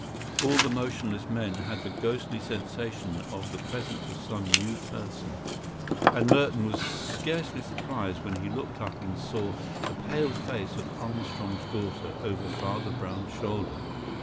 All the motionless men had the ghostly sensation of the presence of some new person; and Merton was scarcely surprised when he looked up and saw the pale face of Armstrong's daughter over Father Brown's shoulder.